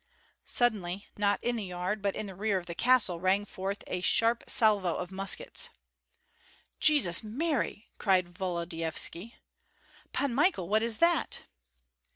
Suddenly, not in the yard, but in the rear of the castle, rang forth a sharp salvo of muskets. "Jesus Mary!" cried Volodyovski. "Pan Michael, what is that?"